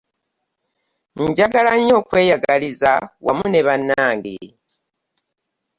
Njagala nnyo okweyagaliza wamu ne bannange.